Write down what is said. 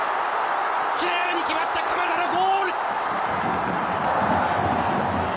きれいに決まった鎌田のゴール！